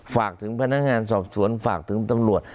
ฝากถึงพนักงานสอบสวนฝากถึงตำรวจ